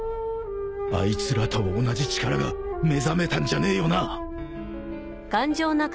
あいつらと同じ力が目覚めたんじゃねえよな？